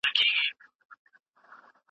تعلیم د ټولنې خدمت کوي.